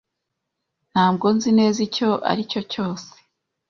Ntabwo nzi neza icyo aricyo cyose.